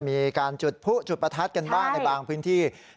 มีการจุดผู้จุดประทัดกันบ้างในบางพื้นที่